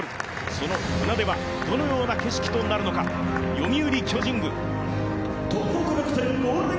その船出はどのような景色となるのか読売巨人軍。